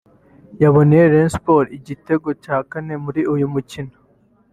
yaboneye Rayon Sports igitego cya kane muri uyu mukino